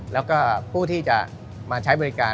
แล้วก็ผู้ที่จะมาใช้บริการ